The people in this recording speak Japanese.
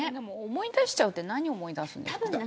思い出しちゃうって何を思い出すんですか。